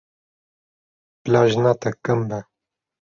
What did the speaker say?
Bila jina te kin be.